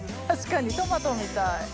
確かにトマトみたい。